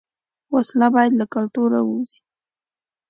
وسله باید له کلتوره ووځي